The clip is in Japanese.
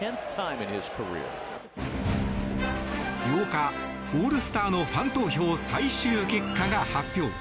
８日、オールスターのファン投票最終結果が発表。